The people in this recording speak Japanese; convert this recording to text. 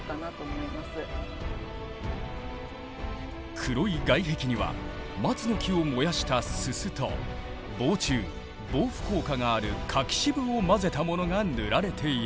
黒い外壁には松の木を燃やしたすすと防虫防腐効果がある柿渋を混ぜたものが塗られている。